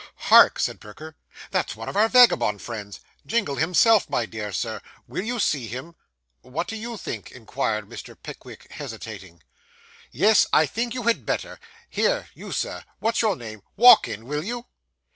'Hark!' said Perker, 'that's one of our vagabond friends Jingle himself, my dear Sir. Will you see him?' 'What do you think?' inquired Mr. Pickwick, hesitating. 'Yes, I think you had better. Here, you Sir, what's your name, walk in, will you?